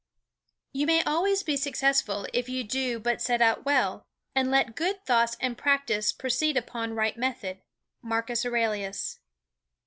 "You may always be successful if you do but set out well, and let good thoughts and practice proceed upon right method." _Marcus Aurelius.